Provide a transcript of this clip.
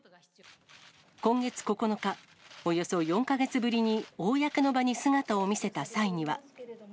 今月９日、およそ４か月ぶりに公の場に姿を見せた際には。